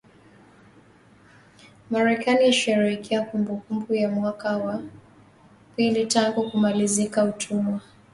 Marekani yasherehekea kumbukumbu ya mwaka wa pili tangu kumalizika utumwa